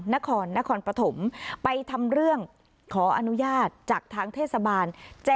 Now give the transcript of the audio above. นครนครปฐมไปทำเรื่องขออนุญาตจากทางเทศบาล๗